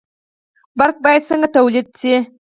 برښنا باید څنګه تولید شي؟